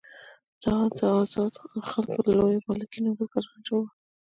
دا آزاد خلک له لویو مالکین او بزګرانو جوړ وو.